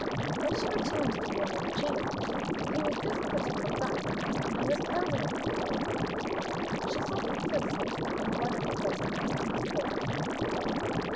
When she returned to him with the change, he had just put them back, and was closing the pocketbook. She saw him place it in one of the breast pockets of his coat.